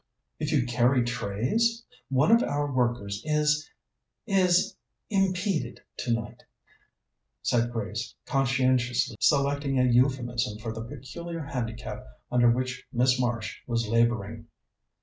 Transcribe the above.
"If you'd carry trays? One of our workers is is impeded tonight," said Grace, conscientiously selecting a euphemism for the peculiar handicap under which Miss Marsh was labouring.